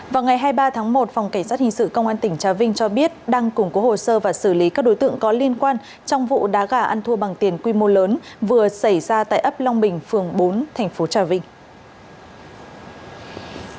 vào ngày hai mươi ba tháng một phòng cảnh sát hình sự công an tỉnh trà vinh cho biết đang củng cố hồ sơ và xử lý các đối tượng có liên quan trong vụ đá gà ăn thua bằng tiền quy mô lớn vừa xảy ra tại ấp long bình phường bốn thành phố trà vinh